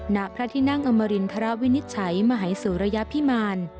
ณพระที่นั่งอมรินทรวินิจฉัยมหายสุรยพิมาร